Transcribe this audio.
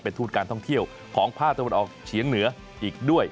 เป็นทูตการท่องเที่ยวของผ้าตัวออกเฉียงเหนืออีกด้วย